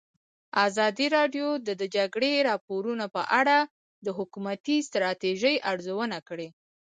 ازادي راډیو د د جګړې راپورونه په اړه د حکومتي ستراتیژۍ ارزونه کړې.